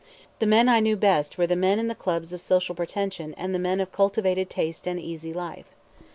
The men I knew best were the men in the clubs of social pretension and the men of cultivated taste and easy life.